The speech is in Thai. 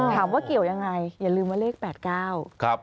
ถามว่าเกี่ยวยังไงอย่าลืมว่าเลข๘๙ครับ